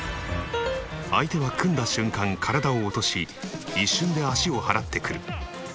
相手は組んだ瞬間体を落とし一瞬で足を払ってくる。